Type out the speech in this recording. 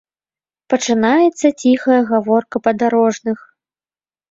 Пачынаецца ціхая гаворка падарожных.